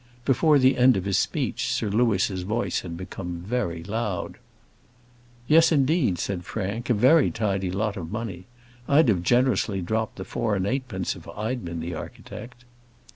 Before the end of his speech, Sir Louis's voice had become very loud. "Yes, indeed," said Frank; "a very tidy lot of money. I'd have generously dropped the four and eightpence if I'd been the architect."